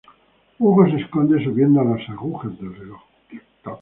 Hugo se esconde subiendo a las agujas del reloj.